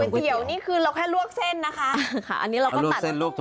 ก๋วยเตี๋ยวนี่คือเราแค่ลวกเส้นนะคะ